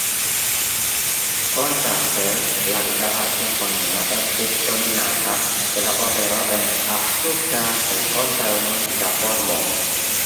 Kontraste, la itala simfonio estis dominata de la opero en "absurda kaj kontraŭ-muzika formo".